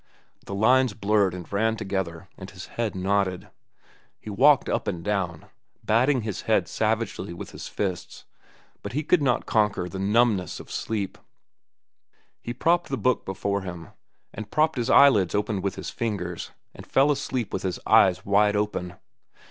The lines blurred and ran together and his head nodded. He walked up and down, batting his head savagely with his fists, but he could not conquer the numbness of sleep. He propped the book before him, and propped his eyelids with his fingers, and fell asleep with his eyes wide open.